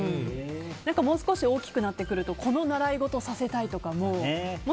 もう少し大きくなってくるとこの習い事させたいとか